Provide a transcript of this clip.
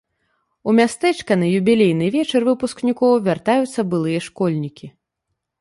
У мястэчка на юбілейны вечар выпускнікоў вяртаюцца былыя школьнікі.